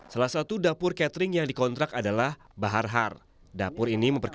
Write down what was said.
salah satu dapur catering yang dikontrak adalah bahar har